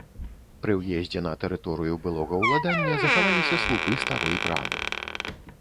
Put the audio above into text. Пры ўездзе на тэрыторыю былога ўладання захаваліся слупы старой брамы.